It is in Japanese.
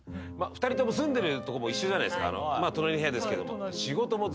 ２人とも住んでるとこも一緒じゃないですか隣の部屋ですけども。